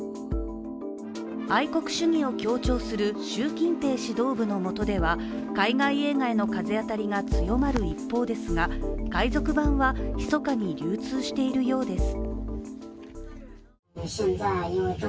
愛国主義を強調する習近平指導部のもとでは、海外映画への風当たりが強まる一方ですが、海賊版はひそかに流通しているようです。